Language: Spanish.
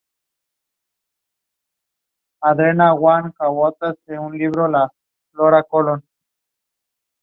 No fue sin embargo una victoria definitiva.